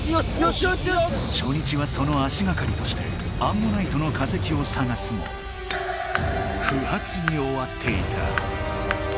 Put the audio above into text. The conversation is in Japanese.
しょ日はその足がかりとしてアンモナイトの化石を探すも不発におわっていた。